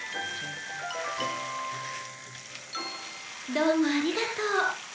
どうもありがとう。